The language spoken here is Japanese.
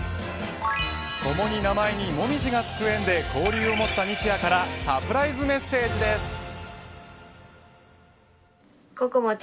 ともに名前に椛がつく縁で交流を持った西矢からサプライズメッセージです。